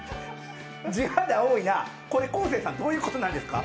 地肌多いな、これ昴生さんどういうことなんですか？